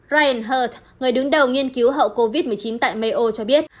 ryan her người đứng đầu nghiên cứu hậu covid một mươi chín tại mayo cho biết